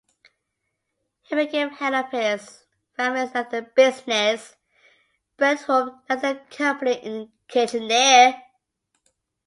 He became head of his family's leather business, Breithaupt Leather Company, in Kitchener.